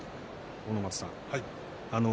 阿武松さん